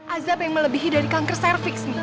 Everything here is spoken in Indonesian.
azab yang melebihi dari kanker cervix nih